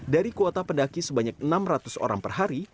dari kuota pendaki sebanyak enam ratus orang per hari